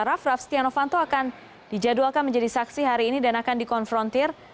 raff raff setia novanto akan dijadwalkan menjadi saksi hari ini dan akan dikonfrontir